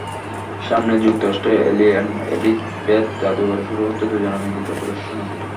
সামনে যুক্তরাষ্ট্রের Eli and Edythe Broad জাদুঘরে শুরু হচ্ছে দুজনের মিলিত প্রদর্শনী।